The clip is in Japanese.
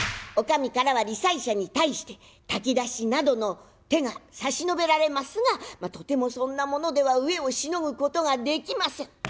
おかみからは罹災者に対して炊き出しなどの手が差し伸べられますがとてもそんなものでは飢えをしのぐことができません。